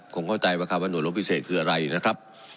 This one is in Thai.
คุณเข้าใจว่าน่วยโรคพิเศษคืออะไรนะครับ